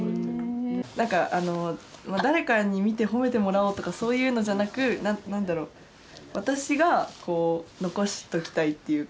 何かあの誰かに見て褒めてもらおうとかそういうのじゃなく何だろう私がこう残しときたいっていうか。